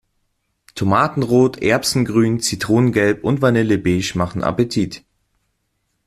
Tomatenrot, erbsengrün, zitronengelb und vanillebeige machen Appetit.